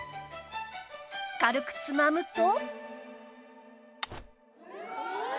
軽くつまむと